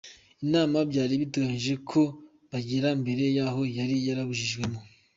Inama byari biteganyijwe ko bagirana mbere yaho yari yaraburijwemo.